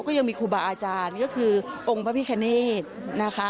ก็ยังมีครูบาอาจารย์ก็คือองค์พระพิคเนธนะคะ